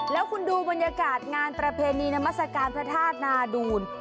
แล้วคุณดูบรรยากาศงานประเพณีนามัศกาลพระธาตุนาดูล